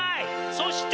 そして！